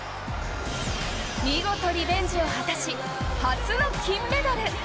見事リベンジを果たし初の金メダル。